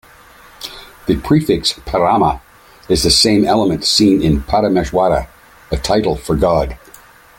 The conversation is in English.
The prefix "parama" is the same element seen in "Parameshwara", a title for God.